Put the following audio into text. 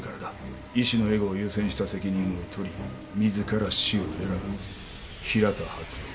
「医師のエゴを優先した責任を取り自ら死を選ぶ」「平田初雄」